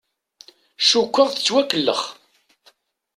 Cukkeɣ tettwakellex.